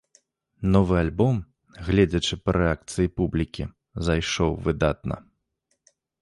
Новы альбом, гледзячы па рэакцыі публікі, зайшоў выдатна.